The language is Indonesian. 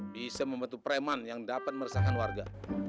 bisa membentuk preman yang dapat meresahkan warga